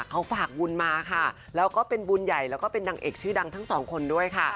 เขาฝากบุญมาค่ะแล้วก็เป็นบุญใหญ่แล้วก็เป็นนางเอกชื่อดังทั้งสองคนด้วยค่ะ